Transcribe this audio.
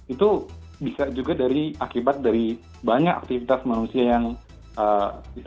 itu bisa juga dari akibat dari banyak aktivitas manusia yang bisa